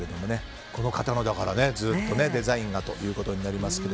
この方のデザインがずっとということになりますが。